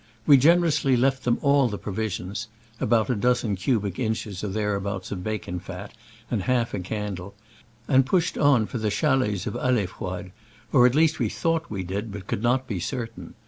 We generously left them all the provisions (a dozen cubic inches or thereabouts of bacon fat and half a can dle), and pushed on for the chalets of A16froide, or at least we thought we did, but could not be certain.